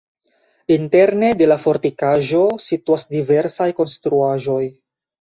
Interne de la fortikaĵo situas diversaj konstruaĵoj.